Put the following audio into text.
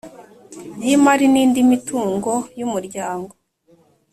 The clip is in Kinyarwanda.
y imari n indi mitungo y Umuryango